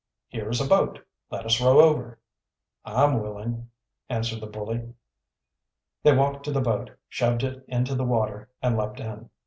"Here is a boat; let us row over." "I'm willing," answered the bully. They walked to the boat, shoved it into the water, and leaped in.